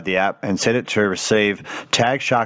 dan menyalakannya untuk menerima aliran shark